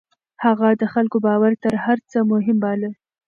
هغه د خلکو باور تر هر څه مهم باله.